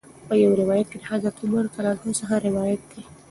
په یو روایت کې د حضرت عمر رض څخه دا روایت